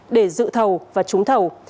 để dự thầu và trúng thầu